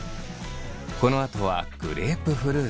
このあとはグレープフルーツ。